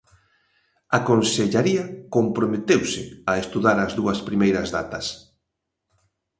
A consellaría "comprometeuse" a estudar as dúas primeiras datas.